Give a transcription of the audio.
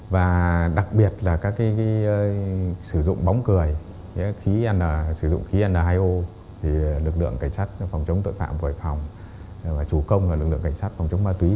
và đặc biệt là các cái sử dụng bóng cười sử dụng khí n hai o lực lượng cảnh sát phòng chống tội phạm của hải phòng và chủ công là lực lượng cảnh sát phòng chống ma túy